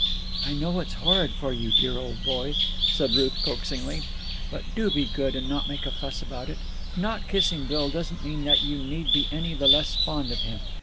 "I know it's horrid for you, dear old boy," said Ruth coaxingly; "but do be good and not make a fuss about it. Not kissing Bill doesn't mean that you need be any the less fond of him.